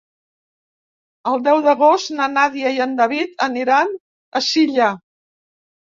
El deu d'agost na Nàdia i en David aniran a Silla.